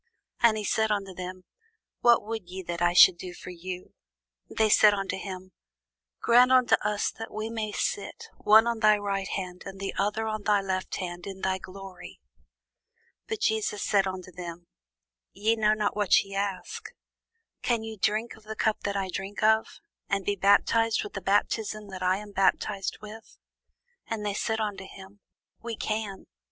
And he said unto them, What would ye that I should do for you? They said unto him, Grant unto us that we may sit, one on thy right hand, and the other on thy left hand, in thy glory. But Jesus said unto them, Ye know not what ye ask: can ye drink of the cup that I drink of? and be baptized with the baptism that I am baptized with? And they said unto him, We can.